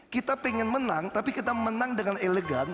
kita pengen menang tapi kita menang dengan elegan